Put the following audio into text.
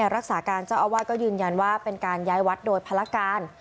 รักษาการเจ้าอาวาสก็ยืนยันว่าเป็นการย้ายวัดโดยภารการ